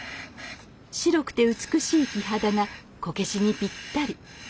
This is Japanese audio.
白くて美しい木肌がこけしにぴったり。